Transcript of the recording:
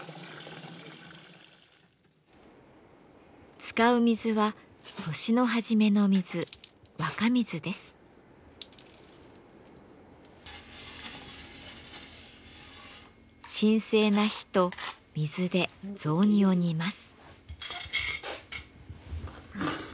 使う水は年の初めの水神聖な火と水で雑煮を煮ます。